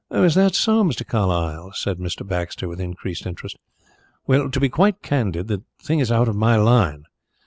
"Is that so, Mr. Carlyle?" said Mr. Baxter, with increased interest. "Well, to be quite candid, the thing is out of my line.